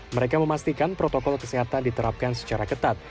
mereka memastikan protokol kesehatan diterapkan secara ketat